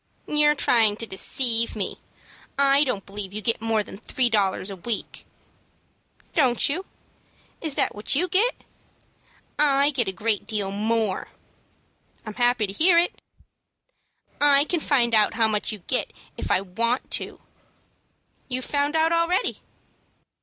"You're trying to deceive me; I don't believe you get more than three dollars a week." "Don't you? Is that what you get?" "I get a great deal more." "I'm happy to hear it." "I can find out how much you get, if I want to." "You've found out already."